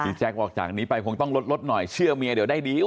แจ๊คบอกจากนี้ไปคงต้องลดลดหน่อยเชื่อเมียเดี๋ยวได้ดี